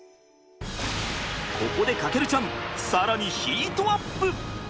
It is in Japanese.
ここで翔ちゃん更にヒートアップ。